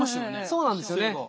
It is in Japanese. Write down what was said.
そうなんですよね。